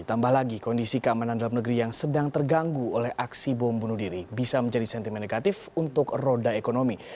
tambah lagi kondisi keamanan dalam negeri yang sedang terganggu oleh aksi bom bunuh diri bisa menjadi sentimen negatif untuk roda ekonomi